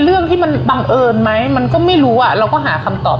เรื่องที่มันบังเอิญไหมมันก็ไม่รู้อ่ะเราก็หาคำตอบ